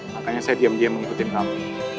makanya saya diam diam ngikutin kamu